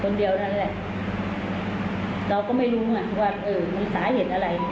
คนเดียวนั่นแหละเราก็ไม่รู้ไงว่าเออมันสาเหตุอะไร